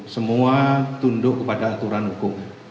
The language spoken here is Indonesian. semua tunduk kepada aturan hukum